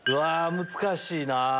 難しいなぁ。